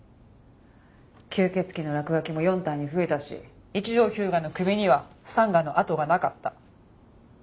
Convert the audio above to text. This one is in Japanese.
吸血鬼の落書きも４体に増えたし一条彪牙の首にはスタンガンの痕がなかった。